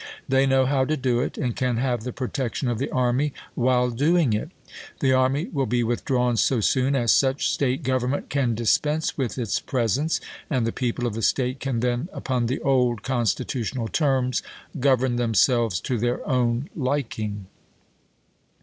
They know how to do it, and can have the protection of the army while doing it. The army will be withdrawn so soon as such State government can dispense with its presence, and the people of the State can then, upon the old constitutional terms, govern themselves to their own liking.